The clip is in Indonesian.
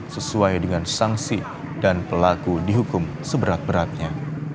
sesuai dengan sanksi dan pelaku dihukum seberat beratnya